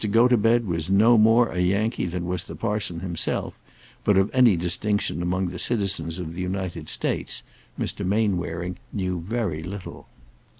Gotobed was no more a Yankee than was the parson himself; but of any distinction among the citizens of the United States, Mr. Mainwaring knew very little.